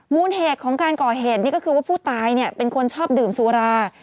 มูลเหตุของการก่อเหตุนี่ก็คือว่าผู้ตายเป็นคนชอบดื่มสุรา